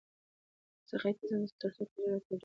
زه خیاطۍ ته ځم تر څو کالي راته جوړ کړي